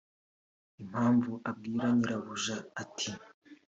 Impamvu abwira Nyirabuja ati